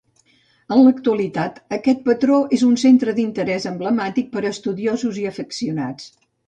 En l'actualitat aquest patró és un centre d'interès emblemàtic per a estudiosos i afeccionats.